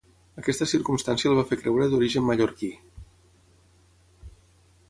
Aquesta circumstància el va fer creure d'origen mallorquí.